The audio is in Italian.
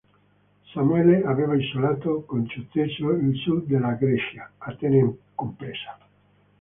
Samuele aveva isolato con successo il sud della Grecia, Atene compresa.